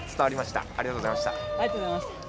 ありがとうございます。